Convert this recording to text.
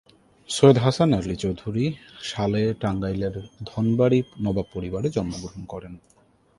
সৈয়দ হাসান আলী চৌধুরী সালে টাঙ্গাইলের ধনবাড়ী নবাব পরিবারে জন্মগ্রহণ করেন।